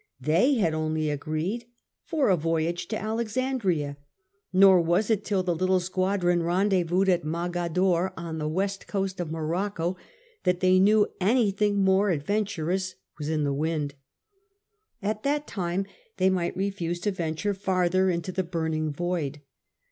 They had only agreed for a voyage to Alexandria, nor was it till the little squadron rendezvoused at Mogadore, on the west coast of Morocco, that they knew anything more adventurous was in the wind. At any time they might refuse to venture farther into the burning void.